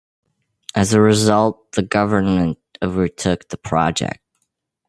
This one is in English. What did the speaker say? As a result, the government overtook the project.